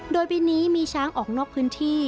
โดยปีนี้มีช้างออกนอกพื้นที่